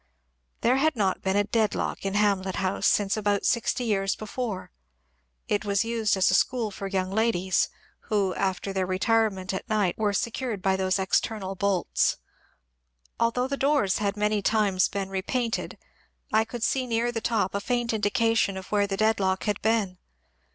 There had not been a deadlock in Hamlet House since, about sixty years before, it was used as a school for young ladies, who, after their retirement at night, were secured by those external bolts. Although the doors had many times been re painted, I could see near the top a faint indication of where the deadlock had been.